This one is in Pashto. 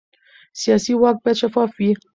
سیاسي واک باید شفاف وي